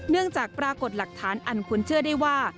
จากปรากฏหลักฐานอันควรเชื่อได้ว่า